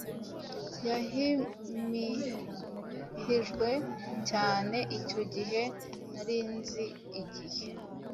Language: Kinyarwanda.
Yahimihijwe cyane icyo gihe nari nzi igihe